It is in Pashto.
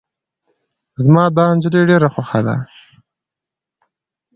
زما دا نجلی ډیره خوښه ده.